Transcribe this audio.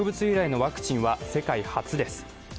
由来のワクチンは世界初です。